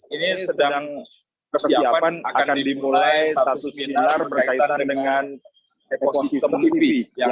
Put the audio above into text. ini dari mereka yang sudah mendaftar hampir semuanya over subscribed